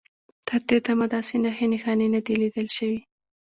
تر دې دمه داسې نښې نښانې نه دي لیدل شوي.